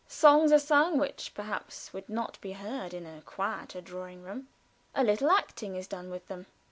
Songs are sung which perhaps would not be heard in a quiet drawing room; a little acting is done with them.